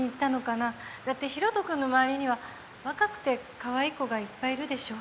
だって広斗君の周りには若くてカワイイ子がいっぱいいるでしょ？